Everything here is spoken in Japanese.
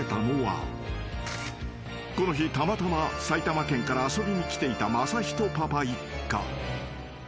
［この日たまたま埼玉県から遊びに来ていたまさひとパパ一家］